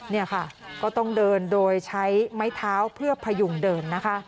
นี่ค่ะก็ต้องเดินโดยใช้ไม้เท้าเพื่อพยุงเดินนะคะ